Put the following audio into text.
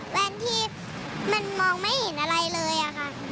แว่นที่มันมองไม่เห็นอะไรเลยอะค่ะ